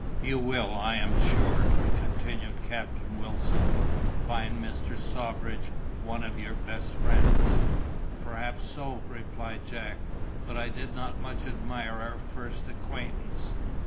"You will, I am sure," continued Captain Wilson, "find Mr. Sawbridge one of your best friends." "Perhaps so," replied Jack; "but I did not much admire our first acquaintance."